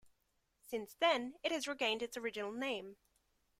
Since then it has regained its original name.